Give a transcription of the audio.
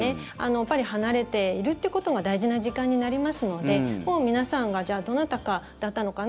やっぱり離れているということが大事な時間になりますので皆さんが、どなたかだったのかな